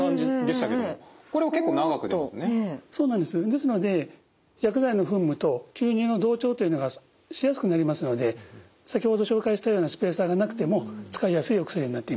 ですので薬剤の噴霧と吸入の同調というのがしやすくなりますので先ほど紹介したようなスペーサーがなくても使いやすいお薬になっています。